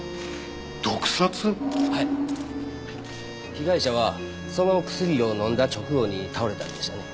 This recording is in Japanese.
被害者はその薬を飲んだ直後に倒れたんでしたね？